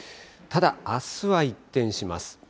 ただ、あすは一転します。